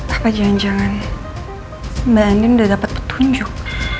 apa jangan jangan mbak andin udah dapet petunjuk